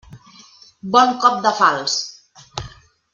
Bon cop de falç!